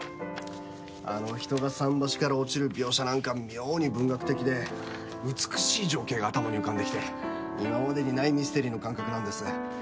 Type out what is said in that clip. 人が桟橋から落ちる描写なんか妙に文学的で美しい情景が頭に浮かんできて今までのミステリー作品にない感覚なんです。